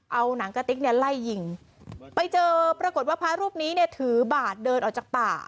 เอาหนังกะติ๊กเนี่ยไล่ยิงไปเจอปรากฏว่าพระรูปนี้เนี่ยถือบาทเดินออกจากป่า